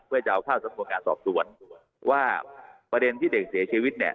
เพื่อจะเอาเข้าสำนวนการสอบสวนว่าประเด็นที่เด็กเสียชีวิตเนี่ย